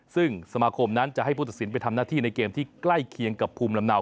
ซึ่งสมาคมนั้นจะให้ผู้ตัดสินไปทำหน้าที่ในเกมที่ใกล้เคียงกับภูมิลำเนา